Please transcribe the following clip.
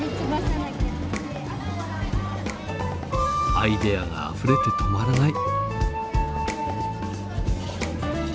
アイデアがあふれて止まらない。